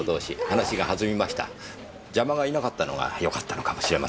邪魔がいなかったのがよかったのかもしれません。